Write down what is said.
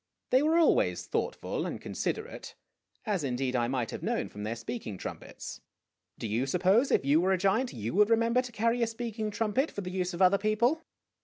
They were always thoughtful and considerate, as, indeed, I might have known from their speaking trumpets. Do you suppose, if you were a giant, you would remember to carry a speaking trumpet for the use of other people?